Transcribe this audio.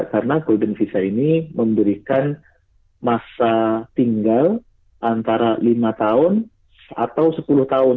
karena golden visa ini memberikan masa tinggal antara lima tahun atau sepuluh tahun